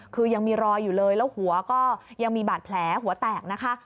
คือยังมีรอยอยู่เลยแล้วหัวก็ยังมีบาดแผลหัวแตกนะคะ